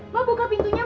mak buka pintunya mak